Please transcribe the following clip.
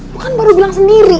lu kan baru bilang sendiri